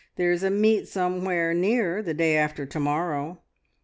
There is a meet somewhere near the day after to morrow.